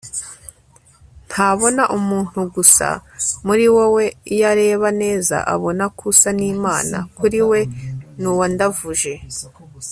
ntabona umuntu gusa muri wowe, iyo areba neza abona ko usa n'imana. kuri we n'uwandavuje